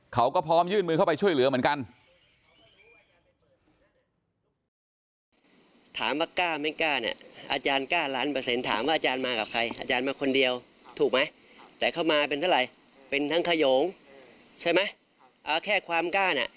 เขาก็พร้อมยื่นมือเข้าไปช่วยเหลือเหมือนกัน